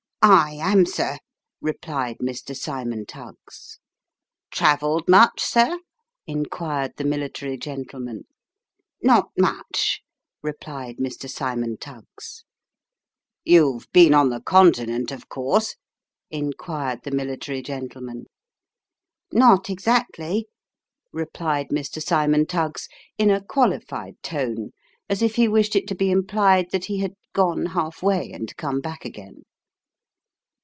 " I am, sir," replied Mr. Cymon Tuggs. " Travelled much, sir ?" inquired the military gentleman. " Not much," replied Mr. Cymon Tuggs. " You've been on the Continent, of course ?" inquired the military gentleman. " Not exactly," replied Mr. Cymon Tuggs in a qualified tone, as if he wished it to be implied that he had gone half way and come back again.